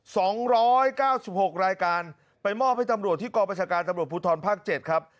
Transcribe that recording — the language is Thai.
สองร้อยเก้าสิบหกรายการไปมอบให้ตำรวจที่กองประชาการตำรวจภูทรภาคเจ็ดครับ